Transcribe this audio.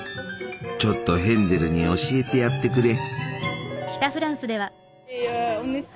ちょっとヘンゼルに教えてやってくれ。